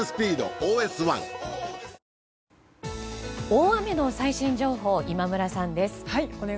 大雨の最新情報今村さんです。